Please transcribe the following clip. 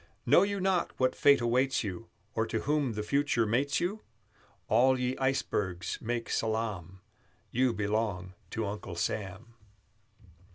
Know you not what fate awaits you, Or to whom the future mates you? All ye icebergs make salaam, You belong to Uncle Sam!